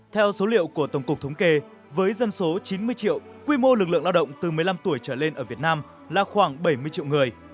theo số liệu của tổng cục thống kê với dân số chín mươi triệu quy mô lực lượng lao động từ một mươi năm tuổi trở lên ở việt nam là khoảng bảy mươi triệu người